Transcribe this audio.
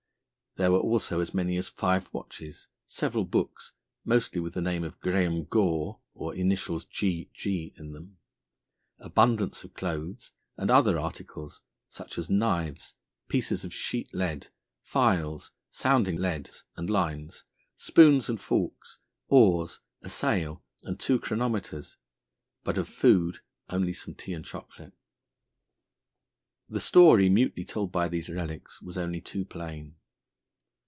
There were also as many as five watches, several books (mostly with the name of Graham Gore or initials G. G. in them), abundance of clothes and other articles such as knives, pieces of sheet lead, files, sounding leads and lines, spoons and forks, oars, a sail, and two chronometers, but of food only some tea and chocolate. The story mutely told by these relics was only too plain.